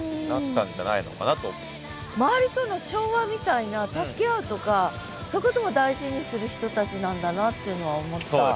周りとの調和みたいな助け合うとかそういうことも大事にする人たちなんだなっていうのは思った。